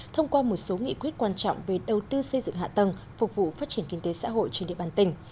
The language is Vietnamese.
thông qua một số nghị quyết quan trọng về đầu tư xây dựng hạ tầng phục vụ phát triển kinh tế xã hội trên địa bàn tỉnh